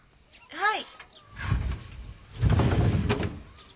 はい。